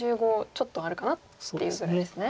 ちょっとあるかなっていうぐらいですね。